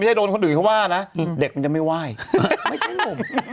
ไม่ใช่โดนเด็กมันจะไม่ไหว่